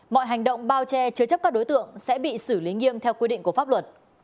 mọi hành động bao che chứa chấp các đối tượng sẽ bị xử lý nghiêm theo quy định của pháp luật